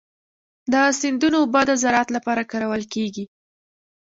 د سیندونو اوبه د زراعت لپاره کارول کېږي.